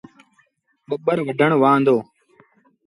ٻٻر وڍن وهآن دو۔